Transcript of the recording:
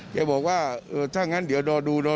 แกบอกว่าถ้างั้นเดี๋ยวดอดูก่อน